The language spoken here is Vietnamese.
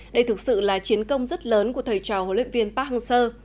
đây thực sự là chiến công rất lớn của thầy trò huấn luyện viên park hang seo